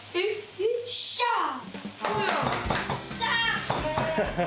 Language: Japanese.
よっしゃー！